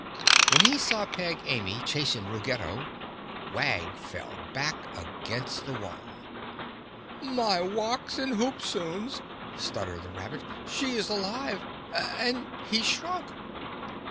When he saw Peg Amy chasing Ruggedo, Wag fell back against the wall. "My wocks and hoop soons!" stuttered the rabbit. "She is alive! And he's shrunk!"